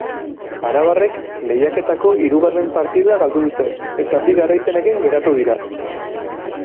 Arabarrek lehiaketako hirugarren partida galdu dute, eta bi garaipenekin geratu dira.